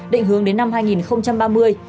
định hướng đến năm hai nghìn ba mươi